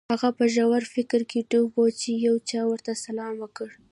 هغه په ژور فکر کې ډوب و چې یو چا ورته سلام وکړ